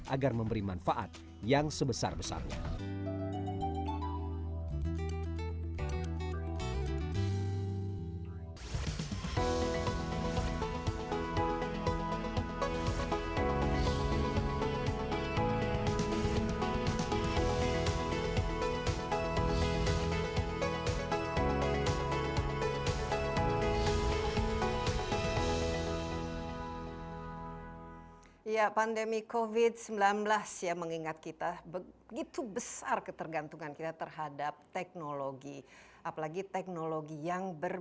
agar memberi manfaat yang sebesar besarnya